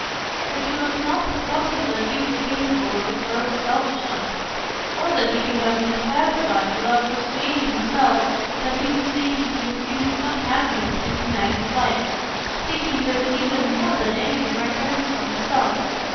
But you must not suppose that he was capable of a gross selfishness, or that he could have been satisfied without persuading himself that he was seeking to infuse some happiness into Maggie's life,—seeking this even more than any direct ends for himself.